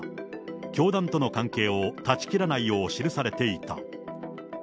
教団との関係を断ち切らないよう記されていた。